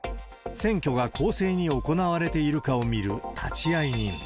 選挙が公正に行われているかどうかを見る立会人。